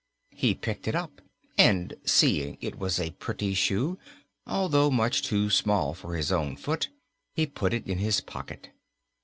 He picked it up and, seeing it was a pretty shoe, although much too small for his own foot, he put it in his pocket.